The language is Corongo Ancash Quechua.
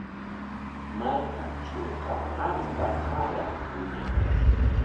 Markaatrawqa achka qaaram wiñan.